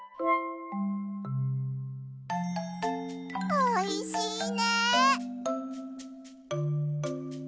おいしいね！